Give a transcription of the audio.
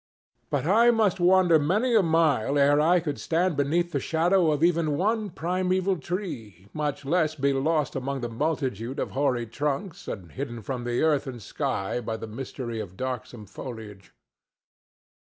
But I must wander many a mile ere I could stand beneath the shadow of even one primeval tree, much less be lost among the multitude of hoary trunks and hidden from the earth and sky by the mystery of darksome foliage.